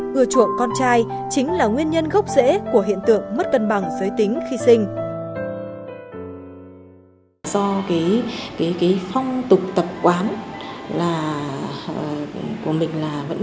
ưa chuộng con trai chính là nguyên nhân gốc rễ của hiện tượng mất cân bằng giới tính khi sinh